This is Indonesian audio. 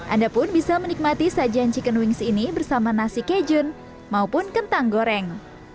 anda pun bisa menikmati sajian chicken wings ini bersama nasi kejun maupun kentang goreng